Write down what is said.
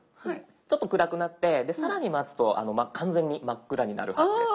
ちょっと暗くなって更に待つと完全に真っ暗になるはずです。